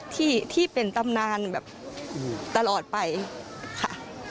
ที่เป็นตำนานแบบตลอดไปค่ะ